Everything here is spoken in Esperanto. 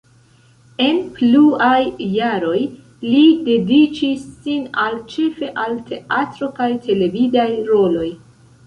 En pluaj jaroj li dediĉis sin al ĉefe al teatro kaj televidaj roloj.